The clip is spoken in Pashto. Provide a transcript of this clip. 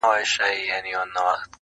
بل وايي دود بل وايي جرم-